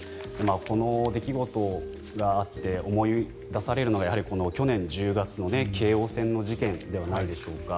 この出来事があって思い出されるのがやはり去年１０月の京王線の事件ではないでしょうか。